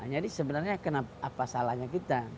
jadi sebenarnya apa salahnya kita